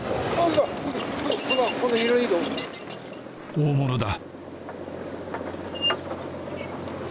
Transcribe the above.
大物だ。